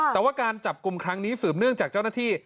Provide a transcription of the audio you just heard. แต่ว่าการจับกลุ่มครั้งนี้สืบเนื่องจากเจ้าหน้าที่